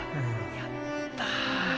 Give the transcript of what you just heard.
やった！